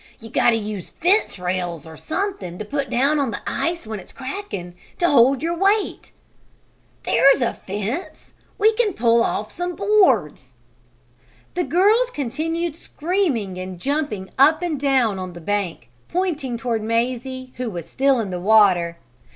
You got to use fence rails, or something to put down on the ice when it's cracking, to hold your weight. There's a fence! We can pull off some boards." The girls continued screaming and jumping up and down on the bank, pointing toward Mazie, who was still in the water.